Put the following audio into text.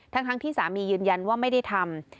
ทั้งที่สามียืนยันว่าไม่ได้ทำ